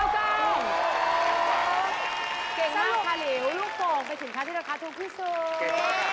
เก่งมากค่ะลิวลูกโกงเป็นสินค้าที่ราคาถูกพิสุทธิ์